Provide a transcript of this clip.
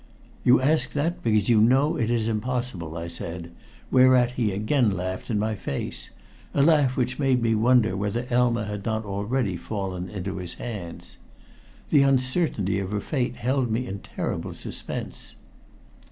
"You ask that because you know it is impossible," I said, whereat he again laughed in my face a laugh which made me wonder whether Elma had not already fallen into his hands. The uncertainty of her fate held me in terrible suspense.